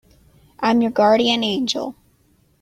I'm your guardian angel.